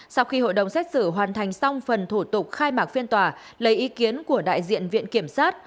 sau khi hội đồng xét xử hoàn thành xong phần thủ tục khai mạc phiên tòa lấy ý kiến của đại diện viện kiểm sát